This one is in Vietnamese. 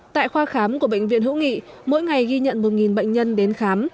tại khoa khám của bệnh viện hữu nghị mỗi ngày ghi nhận một bệnh nhân đến khám